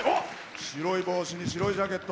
白い帽子に白いジャケット。